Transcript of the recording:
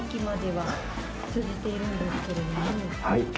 はい。